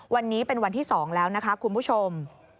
วันนี้เป็นวันที่๒แล้วนะคะคุณผู้ชม